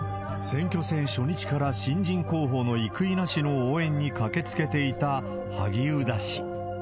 選挙戦初日から、新人候補の生稲氏の応援に駆けつけていた、萩生田氏。